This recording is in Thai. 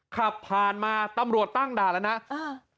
ขับผ่านมาตำรวจตั้งด่านแล้วนะอ่า